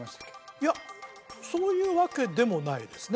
いやそういうわけでもないですね